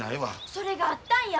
それがあったんや。